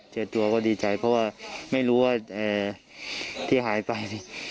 เจอตัวก็ดีใจเพราะว่าไม่รู้ว่าที่หายไป